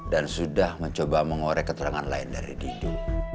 dan sudah mencoba mengorek keterangan lain dari didu